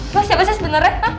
lo siapa sih sebenernya